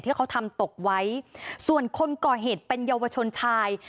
ที่เขาทำตกไว้ส่วนคนก่อเหตุเป็นเยาวชนชาย